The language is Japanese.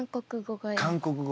韓国語が。